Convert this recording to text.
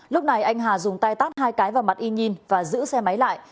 lúc này anh hà dùng tay tắt hai cái vào mặt y nhiên và giữ xe máy lại